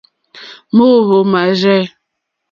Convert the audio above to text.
Móǃóhwò máárzɛ̂.